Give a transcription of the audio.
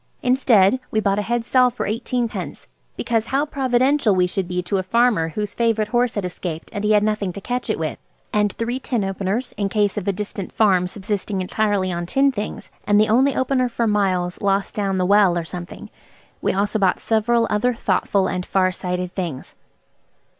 Instead, we bought a head stall for eighteenpence, because how providential we should be to a farmer whose favourite horse had escaped and he had nothing to catch it with; and three tin openers, in case of a distant farm subsisting entirely on tinned things, and the only opener for miles lost down the well or something. We also bought several other thoughtful and far sighted things.